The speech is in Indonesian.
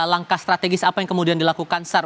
langkah strategis apa yang kemudian dilakukan sar